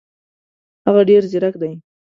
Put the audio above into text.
هغه ډېر زیرک دی.